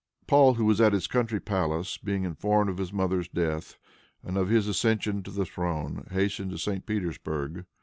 Paul, who was at his country palace, being informed of his mother's death, and of his accession to the throne, hastened to St. Petersburg.